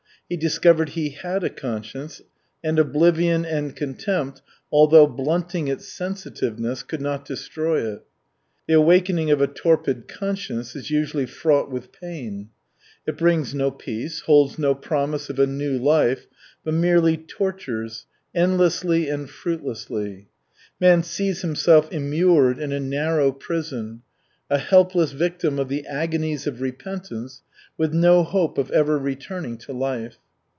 He discovered he had a conscience, and oblivion and contempt, although blunting its sensitiveness, could not destroy it. The awakening of a torpid conscience is usually fraught with pain. It brings no peace, holds no promise of a new life, but merely tortures, endlessly and fruitlessly. Man sees himself immured in a narrow prison, a helpless victim of the agonies of repentance, with no hope of ever returning to life.